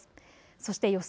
そして予想